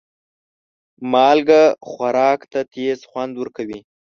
مالګه خوراک ته تیز خوند ورکوي.